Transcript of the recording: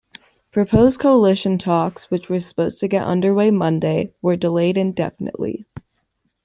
Proposed coalition talks, which were supposed to get under way Monday, were delayed indefinitely.